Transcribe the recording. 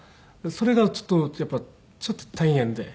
それがちょっとやっぱちょっと大変で。